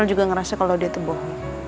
dia juga ngerasa kalau dia tuh bohong